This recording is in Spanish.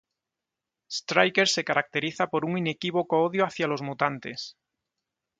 Stryker se caracteriza por un inequívoco odio hacia los mutantes.